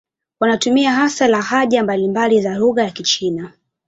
Wanatumia hasa lahaja mbalimbali za lugha ya Kichina.